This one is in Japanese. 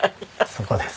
そこです。